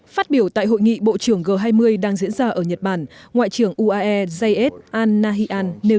phát biểu tại hội nghị bộ trưởng g hai mươi đang diễn ra ở nhật bản ngoại trưởng uae zayed al nahyan nêu